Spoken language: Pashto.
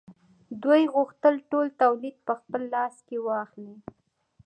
دوی غوښتل ټول تولید په خپل لاس کې واخلي